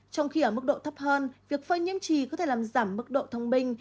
trong khi ở mức độ thấp hơn việc phơi nhiễm trì có thể làm giảm mức độ thông minh